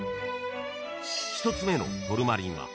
［１つ目のトルマリンはＤ］